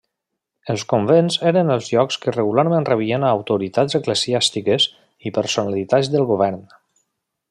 Els convents eren els llocs que regularment rebien a autoritats eclesiàstiques i personalitats del govern.